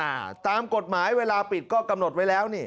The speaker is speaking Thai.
อ่าตามกฎหมายเวลาปิดก็กำหนดไว้แล้วนี่